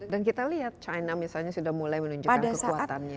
dan kita lihat china misalnya sudah mulai menunjukkan kekuatan